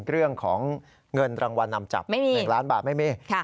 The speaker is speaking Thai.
เรื่องของเงินรางวัลนำจับ๑ล้านบาทไม่มี